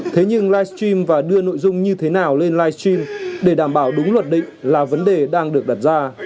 thế nhưng livestream và đưa nội dung như thế nào lên live stream để đảm bảo đúng luật định là vấn đề đang được đặt ra